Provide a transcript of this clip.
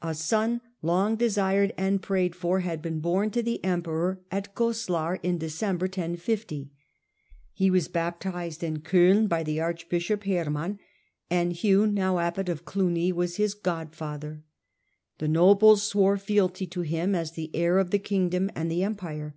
A son, long desired and prayed 1060^ * for, had been born to the emperor at Goslar in December. He was baptized in Coin by archbishop Herman, and Hugh, now abbot of Clugny, was his god father ; the nobles swore fealty to him, as the heir of the kingdom and the Empire.